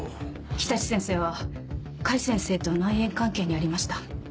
常陸先生は甲斐先生と内縁関係にありました。